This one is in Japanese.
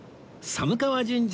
寒川神社。